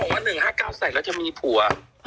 เขาบอกว่า๑๕๙ใส่แล้วจะมีผัว